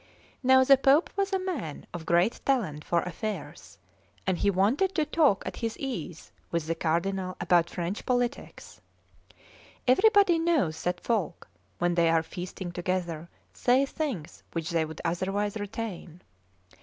Now the Pope was a man of great talent for affairs, and he wanted to talk at his ease with the Cardinal about French politics. Everybody knows that folk, when they are feasting together, say things which they would otherwise retain.